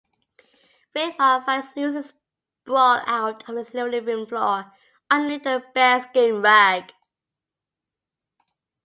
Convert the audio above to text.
Widmark finds Lucy sprawled out on his living room floor underneath a bearskin rug.